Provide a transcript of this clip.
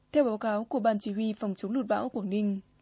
theo báo cáo của ban chỉ huy phòng chống lụt bão quảng ninh